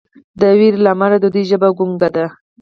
د ویرې له امله د دوی ژبه ګونګه ده.